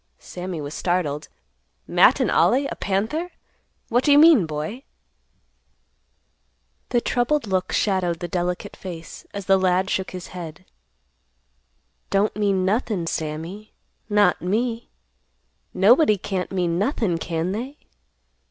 Sammy was startled. "Matt and Ollie, a panther? What do you mean, boy?" The troubled look shadowed the delicate face, as the lad shook his head; "Don't mean nothin', Sammy, not me. Nobody can't mean nothin', can they?"